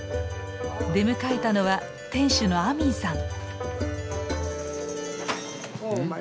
出迎えたのは店主のアミンさん。